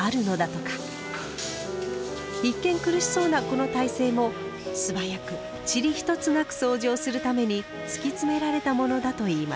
一見苦しそうなこの体勢も素早く塵一つなくそうじをするために突き詰められたものだといいます。